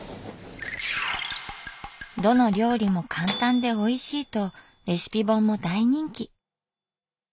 「どの料理も簡単でおいしい」とレシピ本も大人気。